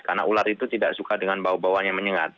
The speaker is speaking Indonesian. karena ular itu tidak suka dengan bau bauan yang menyengat